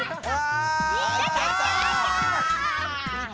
あ。